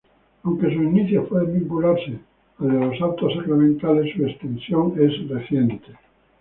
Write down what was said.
Aunque sus inicios pueden vincularse al de los autos sacramentales, su extensión es reciente.